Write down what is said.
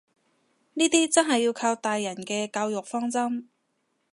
呢啲真係要靠大人嘅教育方針